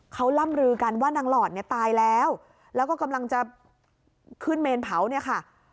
เขาล่ำลือกันว่านางหลอดเนี่ยตายแล้วแล้วก็กำลังจะขึ้นเมนเผาเนี่ยค่ะ